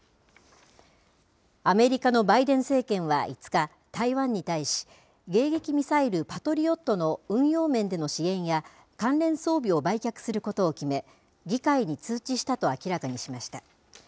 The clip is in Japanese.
アメリカのバイデン政権は５日、台湾に対し、迎撃ミサイル、パトリオットの運用面での支援や関連装備を売却することを決め、議会に通知したと明らかにしました。